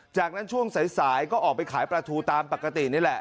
จากนั้นช่วงสายก็ออกไปขายปลาทูตามปกตินี่แหละ